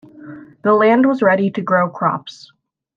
The land was ready to grow crops.